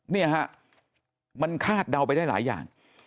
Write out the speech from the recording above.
เนี่ยฮะมันคาดเดาไปได้หลายอย่าง